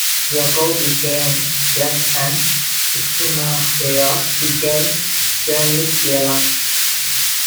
Yakov became Jack, and Schenehaia became Janice Biala.